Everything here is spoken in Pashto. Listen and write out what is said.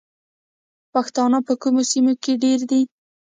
پښتانه په کومو سیمو کې ډیر دي؟